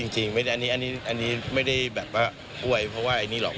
จริงอันนี้ไม่ได้แบบว่าอ้วยเพราะว่าอันนี้หรอก